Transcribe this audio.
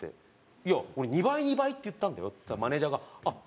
「いや俺“２倍２倍”って言ったんだよ」って言ったらマネジャーが「あっ！